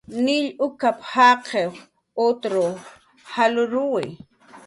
"Nilla uk""p"" jaqiq utar jalruwi"